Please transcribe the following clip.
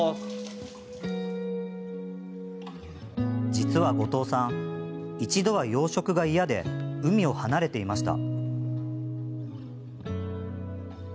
実は後藤さん、一度は養殖が嫌で海を離れていました。